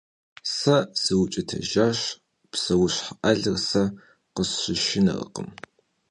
Сэ сыукӀытэжащ: псэущхьэ Ӏэлыр сэ къысщышынэркъым.